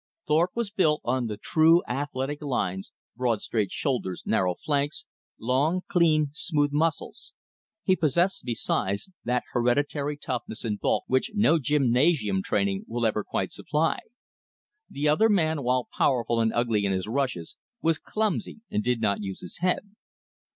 Thorpe was built on the true athletic lines, broad, straight shoulders, narrow flanks, long, clean, smooth muscles. He possessed, besides, that hereditary toughness and bulk which no gymnasium training will ever quite supply. The other man, while powerful and ugly in his rushes, was clumsy and did not use his head.